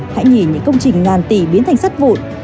hãy nhìn những công trình ngàn tỷ biến thành sắt vụn